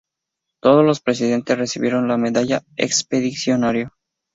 Todos los presentes recibieron la Medalla Expedicionaria.